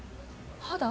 肌？